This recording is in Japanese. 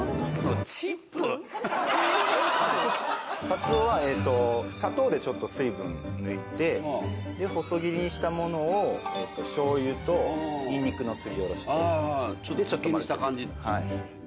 カツオは砂糖でちょっと水分を抜いて細切りにしたものを醤油とニンニクのすりおろしでちょっと混ぜて。